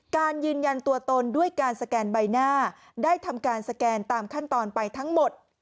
การยืนยันตัวตนด้วยการสแกนใบหน้าได้ทำการสแกนตามขั้นตอนไปทั้งหมด